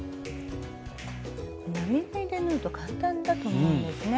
並縫いで縫うと簡単だと思うんですね。